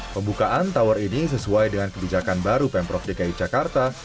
pembukaan tower ini sesuai dengan kebijakan baru pemprov dki jakarta